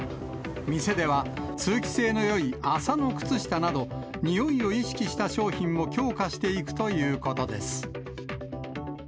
店では、通気性のよい麻の靴下など、においを意識した商品も強化していくということです。